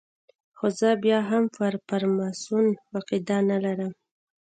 خو زه بیا هم پر فرماسون عقیده نه لرم.